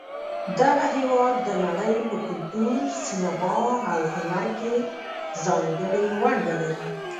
دغه هېواد د نړۍ په کلتور، سینما، او هنر کې ځانګړې ونډه لري.